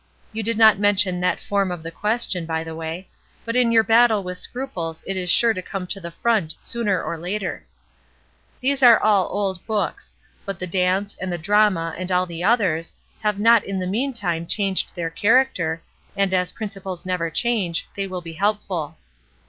You did not mention that form of the question, by the way but m your battle with scruples it is sure to come to the front, sooner or later. These are WORDS 133 all old books; but the dance, and the drama, and all the others, have not in the meantime changed their character, and as principles never change, they will be helpful.